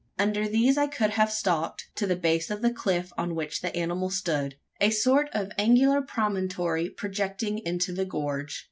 Under these I could have stalked, to the base of the cliff on which the animal stood a sort of angular promontory projecting into the gorge.